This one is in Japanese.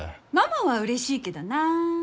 ママはうれしいけどな。